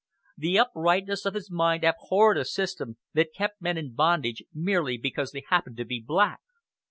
The uprightness of his mind abhorred a system that kept men in bondage merely because they happened to be black.